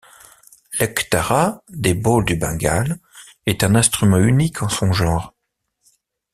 L'ektara des bauls du Bengale, est un instrument unique en son genre.